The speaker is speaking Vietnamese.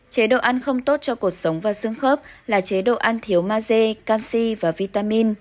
chế độ ăn không tốt cho cuộc sống và xương khớp là chế độ ăn thiếu maze canxi và vitamin